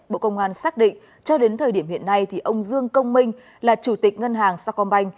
bộ công an xác định cho đến thời điểm hiện nay ông dương công minh là chủ tịch ngân hàng sacombank